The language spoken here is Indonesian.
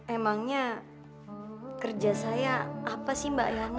emangnya kerja saya apa sih mbak yana